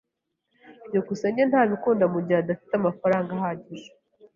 byukusenge ntabikunda mugihe adafite amafaranga ahagije.